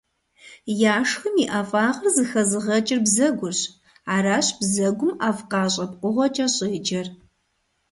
Яшхым и ӀэфӀагъыр зэхэзыгъэкӀыр бзэгурщ, аращ бзэгум ӀэфӀкъащӀэ пкъыгъуэкӀэ щӀеджэр.